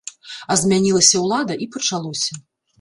А змянілася ўлада і пачалося!